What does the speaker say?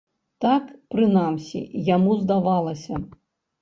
Так, прынамсі, яму здавалася.